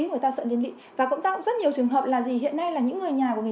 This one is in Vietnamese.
người ta sợ liên lị và cũng tạo rất nhiều trường hợp là gì hiện nay là những người nhà của người